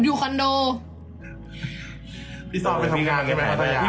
หนูก็ตามจากพี่เก่งไง